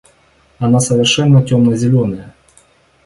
Она совершенно темно-зеленая.